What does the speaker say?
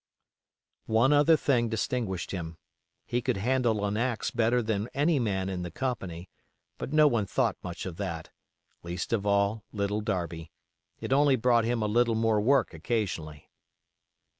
One other thing distinguished him, he could handle an axe better than any man in the company; but no one thought much of that—least of all, Little Darby; it only brought him a little more work occasionally.